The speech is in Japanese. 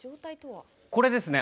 これですね。